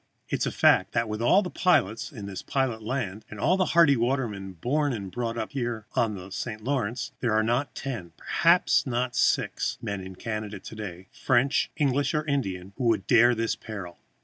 It is a fact that with all the pilots in this pilot land, and all the hardy watermen born and brought up on the St. Lawrence, there are not ten perhaps not six men in Canada to day, French or English or Indian, who would dare this peril.